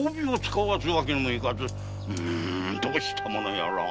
うむどうしたものやら。